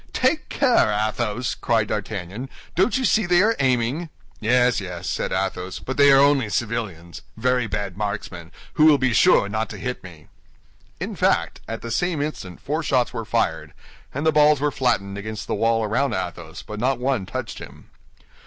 "Take care, Athos!" cried D'Artagnan; "don't you see they are aiming?" "Yes, yes," said Athos; "but they are only civilians—very bad marksmen, who will be sure not to hit me." In fact, at the same instant four shots were fired, and the balls were flattened against the wall around Athos, but not one touched him.